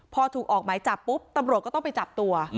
พอถูกออกหมายจับปุ๊บตำรวจก็ต้องไปจับตัว